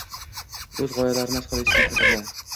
o‘z g‘oyalarini izhor etish maqsadida